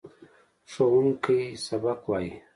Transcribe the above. ښوونکی سبق وايي.